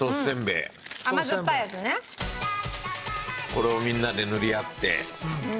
これをみんなで塗り合って。